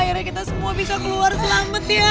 akhirnya kita semua bisa keluar selamat ya